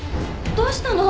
どうしたの？